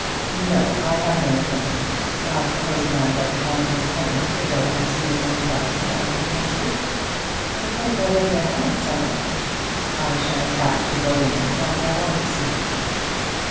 "No; I have no appointment. I suppose a man doesn't want an appointment to go and see his own cousin down in the country." "I don't know what their habits are." "I shan't ask to go in; but I want to see her."